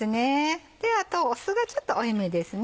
あと酢がちょっと多めですね。